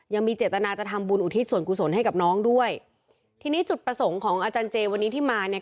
ยังมีเจตนาจะทำบุญอุทิศส่วนกุศลให้กับน้องด้วยทีนี้จุดประสงค์ของอาจารย์เจวันนี้ที่มาเนี่ย